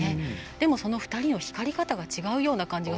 でも、その２人の光り方が違うような感じがするんです。